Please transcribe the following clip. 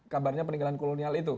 kabarnya peninggalan kolonial itu